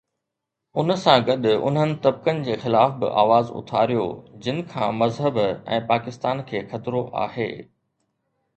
ان سان گڏ انهن طبقن جي خلاف به آواز اٿاريو، جن کان مذهب ۽ پاڪستان کي خطرو آهي.